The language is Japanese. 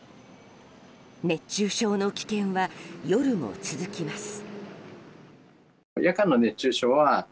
熱中症の危険は夜も続きます。